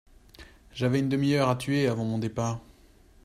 J’avais une demi-heure à tuer avant mon départ.